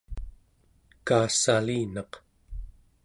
kaassalinaq